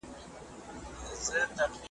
ته هم چایې په توده غېږ کي نیولی؟ `